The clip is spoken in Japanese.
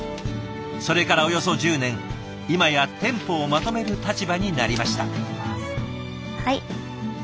それからおよそ１０年今や店舗をまとめる立場になりました。